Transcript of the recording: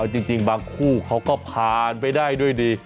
จริงบางคู่เขาก็ผ่านไปได้ด้วยดี